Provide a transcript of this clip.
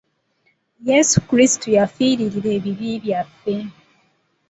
Yesu Kulisito yafirira ebibi byaffe.